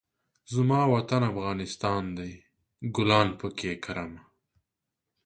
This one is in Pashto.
زما وطن افغانستان ده